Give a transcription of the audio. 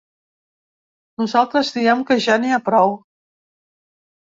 Nosaltres diem que ja n’hi ha prou.